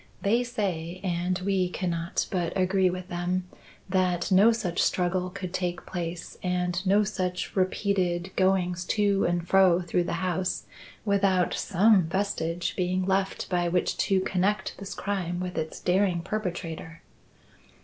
They say, and we cannot but agree with them, that no such struggle could take place and no such repeated goings to and fro through the house without some vestige being left by which to connect this crime with its daring perpetrator."